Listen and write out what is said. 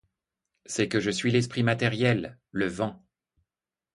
C’est que je suis l’esprit matériel, le vent ;